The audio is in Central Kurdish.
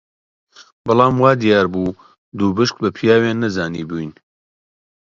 بەڵام وا دیار بوو دووپشک بە پیاویان نەزانیبووین